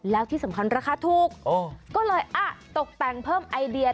แล้วที่สำคัญราคาถูกก็เลยตกแต่งเพิ่มไอเดีย